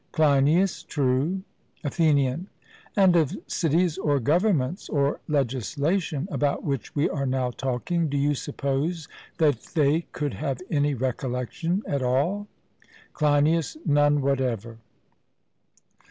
CLEINIAS: True. ATHENIAN: And of cities or governments or legislation, about which we are now talking, do you suppose that they could have any recollection at all? CLEINIAS: None whatever.